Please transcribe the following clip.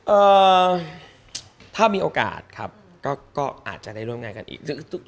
เอ่อถ้ามีโอกาสครับก็ก็อาจจะได้ร่วมงานกันอีก